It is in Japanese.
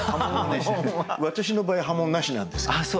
私の場合は破門なしなんです。